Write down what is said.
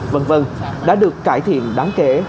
vân vân đã được cải thiện đáng kể